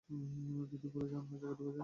যদি ভুলে অন্য যায়গায় ঢুকে যায়?